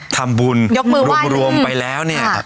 ทำบุญรวมไปแล้วเนี่ย